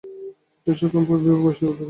কিছুকণ পরে বিভা উঠিয়া বসিল।